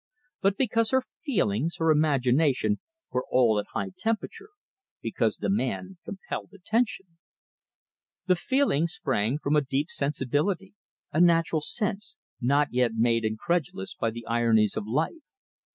but because her feelings, her imagination, were all at high temperature; because the man compelled attention. The feeling sprang from a deep sensibility, a natural sense, not yet made incredulous by the ironies of life.